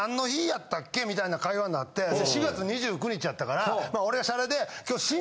みたいな会話になって４月２９日やったから俺はシャレで今日。